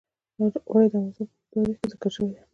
اوړي د افغانستان په اوږده تاریخ کې ذکر شوی دی.